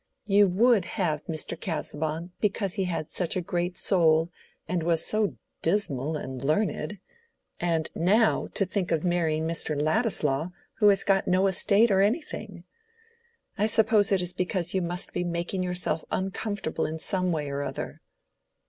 You would have Mr. Casaubon because he had such a great soul, and was so old and dismal and learned; and now, to think of marrying Mr. Ladislaw, who has got no estate or anything. I suppose it is because you must be making yourself uncomfortable in some way or other."